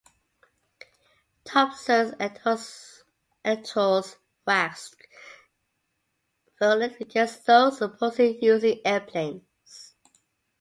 Thompson's editorials waxed virulent against those opposing using airplanes.